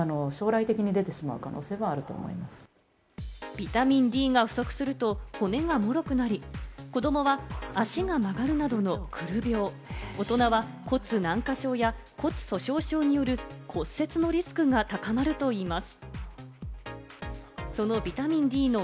ビタミンＤが不足すると、骨がもろくなり、子どもは足が曲がるなどの、くる病、大人は骨軟化症や骨粗しょう症による骨折のリスクが高まるといいます。